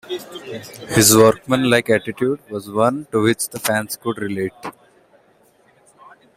His workman-like attitude was one to which the fans could relate.